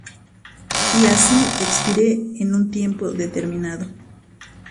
y así expire en un tiempo determinado